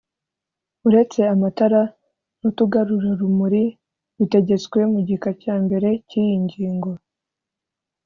Uretse amatara n utugarurarumuri bitegetswe mu gika cya mbere cy iyi ngingo